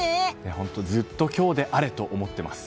本当、ずっと今日であれと思っています。